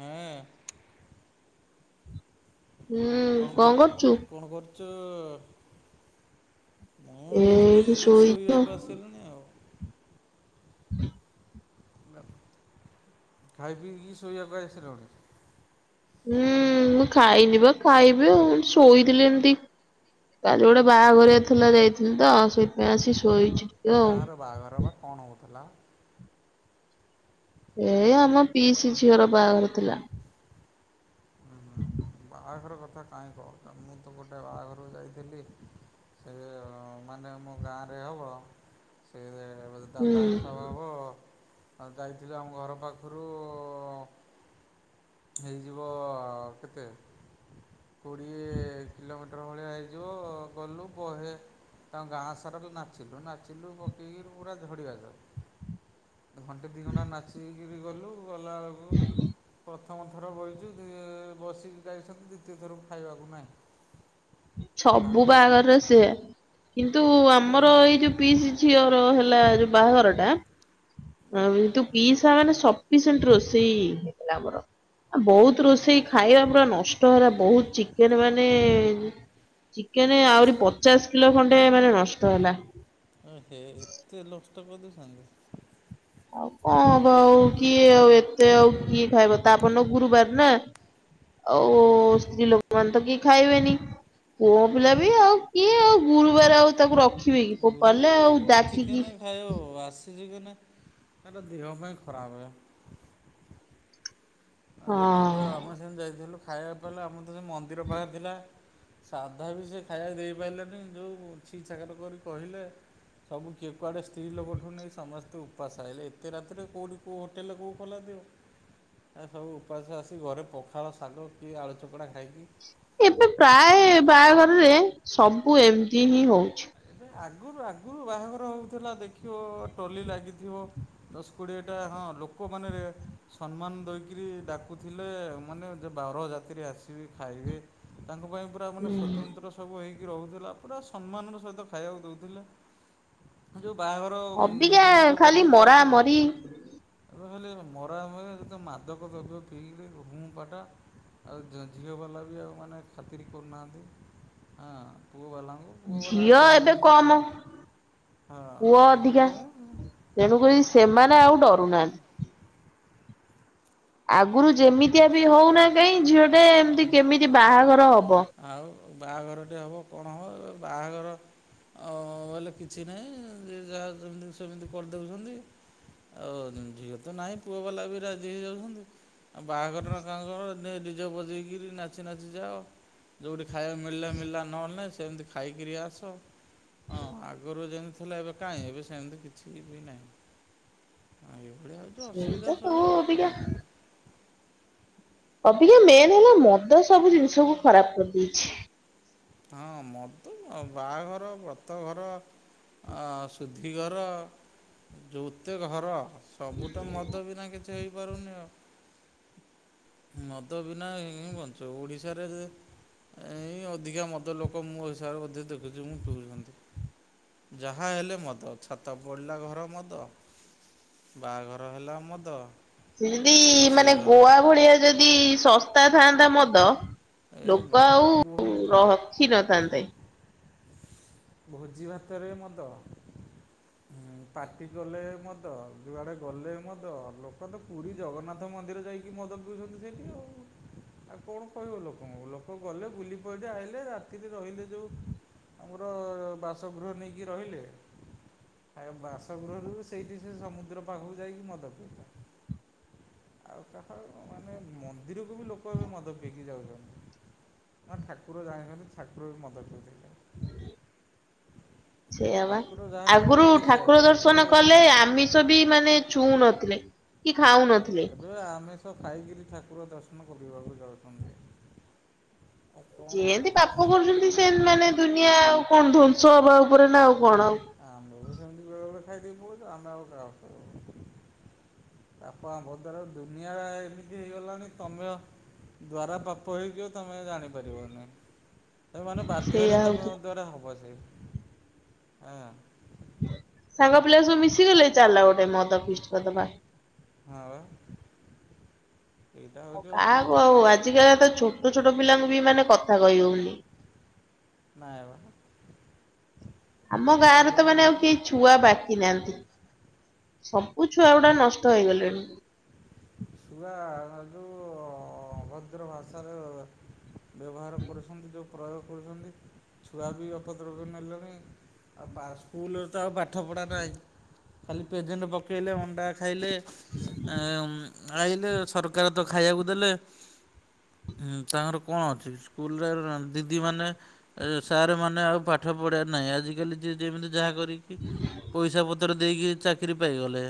ହେ? ହୁଁ କଣ କରୁଛୁ? କର କଣ କରୁଛ? ମୁଁ ଏଇଠି ଶୋଇଛି ଆଉ। ଶୋଇବାକୁ ଆସିଲିଣୀ ଆଉ। [inaudible] ଖାଇ ପି କି ଶୋଇବାକୁ ଆସିଲଣି ହୁଁ ମୁଁ ଖାଇନି ବା ଖାଇବି ଆଉ ଶୋଇିଥିଲି ଏମତି କାଲି ଗୋଟେ ବାହାଘରିଆ ଥିଲା ଯାଇଥିଲି ତ ସେଇଥିପାଇଁ ଆସିକି ଶୋଇଛି। ଆଉ। କାହାର ବାହାଘର ବା କଣ ହେଉଥିଲା? ଏଇ ଆମ ପିଇସି ଝିଅର ବାହାଘର ଥିଲା। ହୁଁ ହୁଁ ବାହାଘର କଥା କାହିଁ କହୁଛ ମୁଁ ତ ଗୋଟେ ବାହାଘରକୁ ଯାଇଥିଲି ସେ ମାନେ ମୋ ଗାଁରେ ହବ ସେ ଏ ଗୋଟେ ହୁଁ ଦାଦା ହିସାବ ହେବ। ଆ ଯାଇଥିଲି ଆମ ଘର ପାଖରୁ ହେଇଯିବ କେତେ କୋଡ଼ିଏ କିଲୋମିଟର ଟର ଭଳିଆ ହେଇଯିବ ଗଲୁ ବହେ ତାଙ୍କ ଗାଁ ସାରା ତ ନାଚିଲୁ ନାଚିଲୁ ପକେଇକିରି ପୁରା ଝଡ଼ିବା ଯାଏ। ଘଣ୍ଟେ ଦୁଇ ଘଣ୍ଟା ନାଚିକିରି ଗଲୁ ଗଲାବେଳକୁ ପ୍ରଥମ ଥର ବଇଚୁ ଯିଏ ବସିକି ଯାଇଛନ୍ତି ଦିତୀୟ ଥରକୁ ଖାଇବାକୁ ନାହିଁ। ସବୁ ଭାତ ବାହାଘରରେ ଭାତ ସେୟା କିନ୍ତୁ ଆମର ବଡ଼ ଏଇ ହୁଁ ଯୋଉ ପିସି ଝିଅର ହେଲା ଯୋଉ ବାହାଘରଟା ଯେହେତୁ ପିଇସା ମାନେ ସ ସପିସେଣ୍ଟ ରୋଷେଇ ହେଇଥିଲା ଆମର ଆ ବହୁତ ହୁଁ ରୋଷେଇ ଖାଇବା ପୁରା ନଷ୍ଟ ନଷ୍ଟ ହେଲା ବହୁତ ଚିକେନ ମାନେ ଚିକେନ ଆହୁରି ପଚାଶ କିଲୋ ଖଣ୍ଡେ ମାନେ ନଷ୍ଟ ହେଲା। ହେ ଏତେ ଲଷ୍ଟ କରିଦଉଛନ୍ତି। ଆଉ କଣ ହବ ଆଉ କିଏ ଆଉ ଏତେ ଆଉ କିଏ ଖାଇବ ତା ପରଦିନ ଗୁରୁବାର ନା ଆଉ ହୁଁ ସ୍ତ୍ରୀ ଲୋକମାନେ ତ କିଏ ଖାଇବେନି। ପୁଅ ପିଲା ବି ଆଉ କିଏ ଆଉ ଗୁରୁବାର ଆଉ ତାକୁ ରଖିବେ କି ଫୋପାଡ଼ିଲେ ଆଉ ମୁଁ ଡାକିକି। ଚିକେନ ଖାଇବାକୁ ଆସିଛି କି ନାହିଁ, ଏଟା ଦେହ ପାଇଁ ଖରାପେ ଆଉ ଯେତିକି ହଁ ବେଳେ ଆମେ ସେ ଯାଇଥିଲୁ ଖାଇବାକୁ ପାଇଲେ ଆମର ତ ସେ ମନ୍ଦିର ପାଖରେ ଥିଲା ସାଧା ବି ସେ ଖାଇବାକୁ ଦେଇପାରିଲେନି ଯେଉଁ ଛି ଛାକର କରି କହିଲେ। ସବୁ କିଏ କୁଆଡ଼େ ସ୍ତ୍ରୀ ଲୋକଠୁ ନେଇ ସମସ୍ତଙ୍କୁ ଉପାସ ଆଇଲେ ଏତେ ରାତିରେ କଉଠି କେଉଁ ହୋଟେଲ କେଉଁ ଖୋଲାଥିବ? ଏ ସବୁ ଉପାସ ଆସି ଘରେ ପଖାଳ ଶାଗ କି ଆଳୁ ଚକଡ଼ା ଖାଇକି ଏବେ ପ୍ରାୟ ବାହାଘରରେ ସବୁ ଏମିତି ହିଁ ହଉଛି। ଆଗରୁ ଆଗରୁ ବାହାଘର ହଉଥିଲା ଦେଖିବ ଟଲି ଲାଗିଥିବ ଦଶ କୋଡିଏଟା ହଁ ଲୋକମାନେରେ ସମ୍ମାନ ଦେଇକରି ଡାକୁଥିଲେ ମାନେ ଯେ ବାରଯାତ୍ରୀ ଆସିବେ ଖାଇବେ ତାଙ୍କ ପାଇଁ ପ ପା ମାନେ ହୁଁ ସ୍ଵତନ୍ତ୍ର ସବୁ ହେଇକି ରହୁଥିଲା ପୁରା ସମ୍ମାନର ସହ ରେ ତ ଖାଇବାକୁ ଦେଉଥିଲେ ଯୋଉ ବାହାଘର ଆଉ ଅବିକା ନିଜେ ନିଜେ ଖାଲି ବଜେଇ ମରା ଯାଉଥିଲେ। ମରି ଏବେ ହେଲେ ମରାମରି ଯେତକ ମାଦକ ଦ୍ରବ୍ୟ ପିଇଲେ ହୁଁ ପଟ ଆଉ ଜ ଝିଅବାଲା ବି ଆଉ ମାନେ ଖାତିର କରୁନାହାନ୍ତି ହଁ ପୁଅବାଲାଙ୍କୁ ପୁଅବାଲା ଝିଅ ଯାହା ଏବେ ଯେମିତି କମ ହଁ ପୁଅ ଝିଅ ଅଧିକା। କମ୍ ତେଣୁକରି ସେମାନେ ଆଉ ଡରୁନାହାନ୍ତି। ଆଗରୁ ଯେମିତିଆ ବି ହଉନା କାହିଁ ଝିଅଟେ ଏମତି କେମିତି ବାହାଘର ହବ। ଆଉ ବାହାଘରଟେ ହେବ କଣ ହେବ ବାହାଘର ଆଉ ବୋଇଲେ କିଛି ନାହିଁ ଯେ ଯାହା ଯେମିତି ସେମିତି କରିଦେଉଛନ୍ତି। ଆଉ ଜ ଝିଅ ତ ନାହିଁ ପୁଅବାଲା ବି ରାଜି ହେଇଯାଉଛନ୍ତି। ଆଉ ବାହାଘରର କାହାଘର ଦେ ଡିଯେ ବଜେଇକିରି ନାଚି ନାଚି ଯାଅ। ଯଉଠି ଖାଇବାକୁ ମିଳିଲା ମିଳିଲା ନହେଲେ ନାହିଁ ସେମିତି ଖାଇକିରି ଆସ। ହଁ ଆଗରୁ ଯେମିତି ଥିଲା ଏବେ କାହିଁ ଏବେ ସେମିତି କିଛି ବି ନାହିଁ। ହଁ ଏଇଭଳିଆଉଛି ସେଇ ତ ଅସୁବିଧା ସବୁ ଆଉ ଅବିକା କଣ କରିବି ଅବିକା ମେନ୍ ହେଲା ମଦ ସବୁ ଜିନିଷକୁୁ ଖରାପ କରିଦେଇଛି। ହଁ ମଦ ତ ବାହାଘର ବ୍ରତ ଘର ଆ ସୁଧିଘର ଯେଉତେ ଘର ସବୁତ ମଦ ବିନା କିଛି ହେଇପାରୁନି ଆଉ। ମଦ ବିନା ହି ବଞ୍ଚ ଓଡିଶାରେ ସେ ଏ ଅଧିକା ମଦ ଲୋକ ମୋ ହିସାବରେ ମଧ୍ୟ ଦେଖୁଛି ମୁଁ ପିଉଛନ୍ତି। ଯାହା ହେଲେ ମଦ ଛାତ ପଡ଼ିଲା ଘର ମଦ ବାହାଘର ହେଲା ମଦ ଯେନ୍ତି ମାନେ ରୋଷେଇ ଘର ଗୋଆ ଭଳିଆ ଯଦି ଶସ୍ତା ଥାଆନ୍ତା ମଦ ଏ ଲୋକ ବାବା ଆଉ କୁହନି ତମେ ରଖି ନଥାନ୍ତେ। ଭୋଜି ଭାତରେ ମଦ ହୁଁ ପାର୍ଟି କଲେ ମଦ ଯୁଆଡେ ଗଲେ ମଦ ଲୋକ ଦେଖ ପୁରୀ ଜଗନ୍ନାଥ ମନ୍ଦିର ଯାଇକି ମଦ ପିଉଛନ୍ତି ସେଇଠି ଆଉ ଆଉ କଣ କହିବ ଲୋକ ଲୋକ ଗଲେ ବୁଲି ପଇଲେ ଆଇଲେ ରାତିରେ ରହିଲେ ଯଉ ଆମର ବାସଗୃହ ନେଇକି ରହିଲେ ଖ ବାସଗୃହରୁ ସେଇଠି ସେ ସମୁଦ୍ର ପାଖକୁ ଯାଇକି ମଦ ପିଇଲେ। ଆଉ କାହା ମାନେ ମନ୍ଦିରକୁ ବି ଲୋକ ଏବେ ମଦ ପିଇକି ଯାଉଛନ୍ତି। ନା ଠାକୁର ଜାଣିିଛନ୍ତି ଠାକୁର ବି ମଦ ପିଉଥିଲେ। ସେଇଆ ବା ଠାକୁର ଯାହା କରିବେ ଆଗରୁ ଇଏ ସେୟା ଠାକୁର କରିବେ ଇଏ ଦର୍ଶନ କଲେ ହେଉଛନ୍ତି ଆମିଷ ଠାକୁର। ବି ମାନେ ଛୁଉଁ ନଥିଲେ କି ଖାଉ ନଥିଲେ। ଏବେ ଆମିଷ ଖାଇକିରି ଠାକୁର ଦର୍ଶନ କରିବାକୁ ଯାଉଛନ୍ତି। ଆଉ କଣ ଯେନ୍ତି କରିବା? ପାପ କରୁଛନ୍ତି ସେମତି ମାନେ ଦୁନିଆ ଆଉ କଣ ଧ୍ଵଂସ ହବା ଉପରେ ନା ଆଉ କଣ ଆଉ। ଆମେ ବି ସେମିତି ବେଳେ ବେଳେ ଖାଇଦେଇକି ପଳଉଚୁ ଆମେ ଆଉ କାହାକୁକହିବୁ। ପାପ ଆମ୍ଭ ଦ୍ୱାରା ଦୁନିଆ ଏମିତି ହେଇଗଲାଣି ତମେ ଆ ଦ୍ୱାରା ପାପ ହେଇଯିବ ତମେ ଜାଣି ପାରିବନେଇ। ତ ମାନେ ବାଧ୍ୟରେ ସେଇଆ ତମ ହଉଛି ଦ୍ଵାରା ହବ ସେଇ ହଁ। ସାଙ୍ଗ ପିଲା ସବୁ ମିଶିଗଲେ ଚାଲିଲା ଗୋଟେ ମଦ ପିଷ୍ଟ କରଦବା। ହଁବା। ଆଉ କାହାକୁ ଆଉ ଆଜିକାଲି ତ ଛୋଟ ଛୋଟ ପିଲାଙ୍କୁ ବି ମାନେ କଥା କହି ହଉନି। ନାଇଁ ବା। ଆମ ଏତେ ଗାଁରେ ତ ହଇରାଣ ମାନେ ଆଉ କେହି ଛୁଆ ବାକି ନାହାନ୍ତି। ସବୁ ଛୁଆ ଗୁଡା ନଷ୍ଟ ହେଇଗଲେଣି। ଛୁଆ ଜଉ ଅଭଦ୍ର ଭାଷାରେ ବ୍ୟବହାର କରୁଛନ୍ତି ଯଉ ପ୍ରୟୋଗ କରୁଛନ୍ତି ଛୁଆ ବି ଅପଦ୍ରକ ନେଲେଣି ଆଉ ପା ସ୍କୁଲରେ ତ ଆଉ ପାଠ ପଢ଼ା ନାଇଁ। ଖାଲି ପେଜେଣ୍ଟ ପକେଇଲେ ଅଣ୍ଡା ଖାଇଲେ। ହୁଁ ଏଁ ଆଇଲେ ସରକାର ତ ଖାଇବାକୁ ଦେଲେ। ହୁଁ ତାଙ୍କର କଣ ଅଛି ସ୍କୁଲରେ ଦିଦି ମାନେ ସାର୍ ମାନେ ଆଉ ପାଠ ପଢେଇବାର ନାହିଁ ଆଜିକାଲି ଜିଏ ଯେମିତି ଯାହା ଦେଇକି ପଇସା ପତ୍ର ଦେଇକି ଚାକିରି ପାଇଗଲେ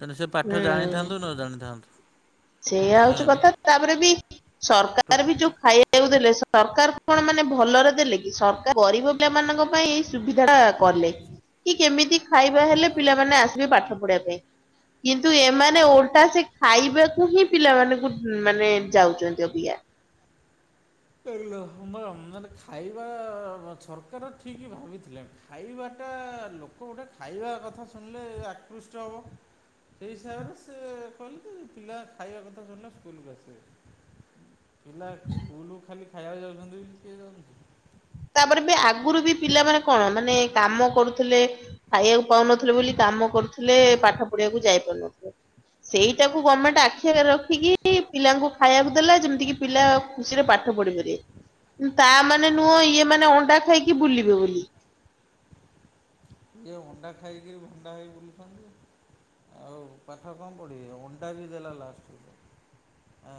ତାନେ ସେ ପାଠ ହୁଁ ଜାଣିଥାନ୍ତୁ ନ ଜାଣିଥାନ୍ତୁ। ଏଇଆ ହଉଛି କଥା ହଁ ତାପରେ ବି ସରକାର ବି ଯଉ ଖାଇବାକୁ ଦେଲେ ସରକାର କଣ ମାନେ ଭଲରେ ଦେଲେ କି ସରକାର ଗରିବ ପିଲାମାନଙ୍କ ପାଇଁ ସୁବିଧା ଟା କଲେ କି କେମିତି ଖାଇବା ହେଲେ ଆଉ ପିଲାମାନେ ଆସିବେ ପାଠ ପଢିବା ପାଇଁ କିନ୍ତୁ ଏମାନେ ଓଲଟା ସେ ଖାଇବା ହିଁ ପିଲାମାନଙ୍କୁ ମାନେ ଯାଉଛନ୍ତି ଅବିକା। ମାନେ ଖାଇବା ସରକାର ଠିକ୍ ଭାବିଥିଲା ଖାଇବାଟା ଲୋକ ଗୋଟେ ଖାଇବା କଥା ଶୁଣିଲେ ଆକୃଷ୍ଟ ହବ। ସେଇ ହିସାବରେ ସେ କହିଲେ ପିଲା ଖାଇବା କଥା ଶୁଣିଲେ ସ୍କୁଲକୁ ଆସିବେ। ପିଲା ସ୍କୁଲୁକୁ ଖାଲି ଖାଇବାକୁ ଯାଉଛନ୍ତି ବୋଲି କିଏ ଯାଉଛନ୍ତି। ତାପରେ ବି ଆଗରୁ ବି ପିଲାମାନେ କଣ ମାନେ କାମ କରୁଥିଲେ। ଖାଇବାକୁ ପାଉନଥିଲେ ବୋଲି କାମ କରୁଥିଲେ ପାଠ ପଢିବାକୁ ଯାଇ ପାରୁନଥିଲେ। ସେଇଟାକୁ ଗମେଣ୍ଟ ଆଖି ଆଗରେ ରଖିକି ପିଲାଙ୍କୁ ଖାଇବାକୁ ଦେଲେ ଯେମିତି କିି ପିଲା ଖୁସିରେ ପାଠ ପଢି ପାରିବେ। ତା ମାନେ ନୁହଁ ଇଏ ମାନେ ଅଣ୍ଡା ଖାଇକି ବୁଲିବେ ବୋଲି। ଇଏ ଅଣ୍ଡା ଖାଇକିରି ଭଣ୍ଡା ହେଇ ବୁଲୁଛନ୍ତି। ଆଉ ପାଠ କଣ ପଢିବେ ଅଣ୍ଡାବି ଦେଲା ଲାଷ୍ଟକୁ। ଆ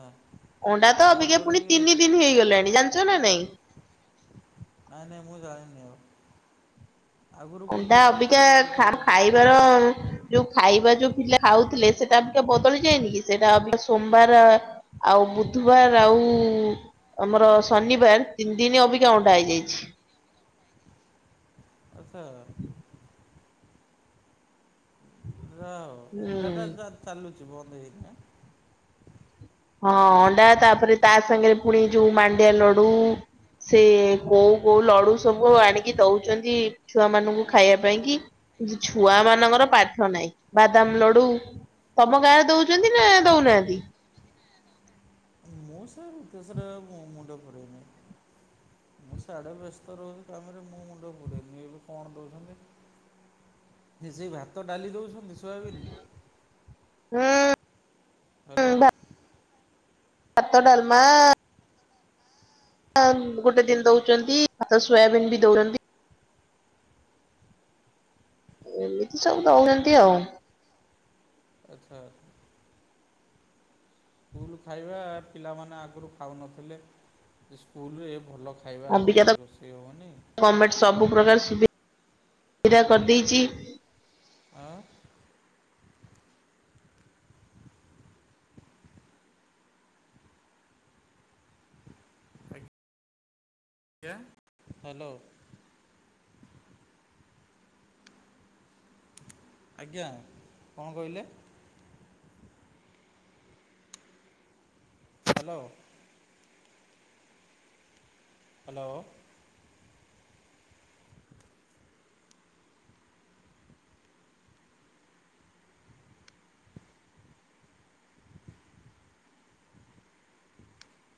ଅଣ୍ଡା ତ ଅବିକା ପୁଣି ତିନି ଦିନ ହେଇଗଲାଣି ଜାଣିଚ ନା ନାଇଁ। ନାଇଁ ନାଇଁ ମୁଁ ଜାଣିନି ଆଉ। ଆଗରୁ ଗୋଟେ ଅଣ୍ଡା ଅବିକା ସପ୍ତାହରେ ଖା ଦଉଥିଲେ ଗୋଟେ ଦିନ ଖାଇବାର ଯୋଉ ଖାଇବା ଯୋଉ ପିଲା ଖାଉଥିଲେ ସେଟା ଟିକେ ବଦଳି ଯାଇନିକି ସେଟା ସୋମବାର ଆଉ ବୁଧୁବାର ଆଉ ଆମର ଶନିବାର ତିନି ଦିନି ଅବିକା ଅଣ୍ଡା ହେଇଯାଇଛି। ଆଛା। ଯା ହୋଉ ହୁଁ ଅଣ୍ଡା ଟା ଚା ଚାଲୁଚି ବନ୍ଦ ହେଇନି ଆଁ। ହଁ ଅଣ୍ଡା ତାପରେ ତା ସାଙ୍ଗରେ ପୁଣି ଯୋଉ ମାଣ୍ଡିଆ ଲଡୁ। ସେ କୋଉ କୋଉ ଲଡୁ ସବୁ ଆଣିକି ଦଉଚନ୍ତି ଛୁଆ ମାନଙ୍କୁ ଖାଇବା ପାଇଁ କି? ଯୁ ଛୁଆ ମାନଙ୍କର ପାଠ ନାହିଁ ବାଦାମ ଲଡୁ ତମ ଗାଁରେ ଦଉଚନ୍ତି ନା ଦଉନାହାନ୍ତି। ମୁଁ ସେ କେସରେ ମୁଁ ମୁଣ୍ଡ ପୁରେଇନେଇଁ। ମୁଁ ସିଆଡେ ବ୍ୟସ୍ତ ରହୁଛି ତାପରେ ମୁଁ ମୁଣ୍ଡ ପୁରେଇନେଇଁ ଏବେ କଣ ଦଉଛନ୍ତି। କି ସେଇ ଭାତ ଡାଲି ଦଉଛନ୍ତି। ଥୁଆବିନ ହୁଁ ହାଲୋ। ଭା- ଭାତ ଡାଲମା ମା ଗୋଟେ ଦିନି ଦୋଉଚନ୍ତି ଭାତ ସୋୟାବିନ୍ ବି ଦୋଉଚନ୍ତି। ଏମିତି ସବୁ ଦଉନାହାନ୍ତି ଆଉ। ଆଚ୍ଛା। ସ୍କୁଲ୍ ଖାଇବା ପିଲାମାନେ ଆଗରୁ ଖାଉନଥିଲେ ସ୍କୁଲରେ ଏ ଭଲ ଖାଇବା ଅବିକା ତ ହୋଉନି ରୋଷେଇ ହୋଉନି। ଗଭର୍ଣମେଣ୍ଟ ସବୁ ପ୍ରକାର ସୁବିଧା କରିଦେଇଚି। ଆଁ ଆଜ୍ଞା ହାଲୋ। ଆଜ୍ଞା କଣ କହିଲେ? ହାଲୋ। ହାଲୋ।